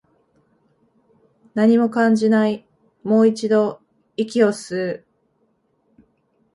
何も感じない、もう一度、息を吸う